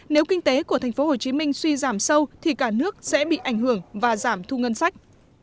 nếu kinh tế của thành phố hồ chí minh suy giảm sâu thì cả nước sẽ bị ảnh hưởng và giảm thu ngân sách